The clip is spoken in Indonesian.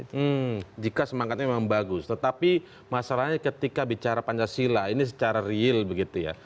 hmm jika semangatnya memang bagus tetapi masalahnya ketika bicara pancasila ini secara real begitu ya